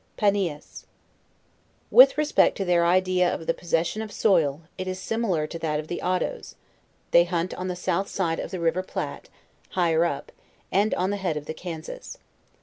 PANIAS. With respect to their idea of the possession 'of soil, it is similar to that of the Ottoes, they hunt on the south side of the river Platte, higher up. and on the head of the Kansas.